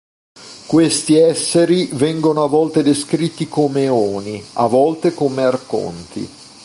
Questi esseri vengono a volte descritti come eoni, a volte come arconti.